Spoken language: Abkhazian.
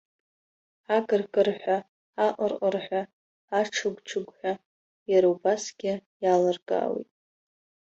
Акыркырҳәа, аҟыр-ҟырҳәа, аҽыгә-ҽыгәҳәа, иара убасгьы иалыркаауеит.